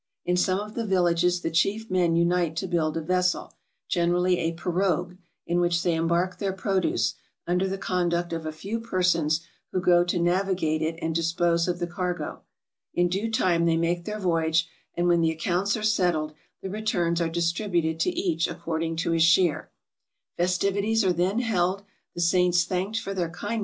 In some of the villages the chief men unite to build a vessel, generally a pirogue, in which they embark their produce, under the conduct of a few persons, who go to navigate it and dispose of the cargo. In due time they make their voyage, and when the accounts are settled, the returns are distributed to each according to his share. Fes tivities are then held, the saints thanked for their kindness, VOL. VI.